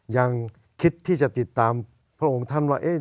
ยังคิดที่จะติดตามพระองค์ท่านว่า